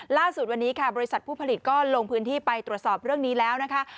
ล่าสุดวันนี้ค่ะบริษัทผู้ผลิตก็ลงพื้นที่ไปตรวจสอบเรื่องนี้แล้วนะคะ